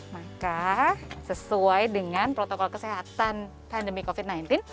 maka sesuai dengan protokol kesehatan pandemi covid sembilan belas